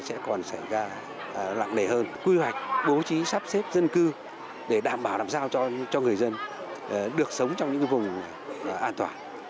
sẽ còn xảy ra lặng nể hơn quy hoạch bố trí sắp xếp dân cư để đảm bảo làm sao cho người dân được sống trong những vùng an toàn